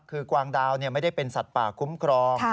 คือกวางดาวไม่ได้เป็นสัตว์ป่าคุ้มครอง